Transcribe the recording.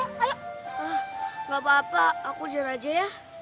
nggak apa apa aku jalan aja ya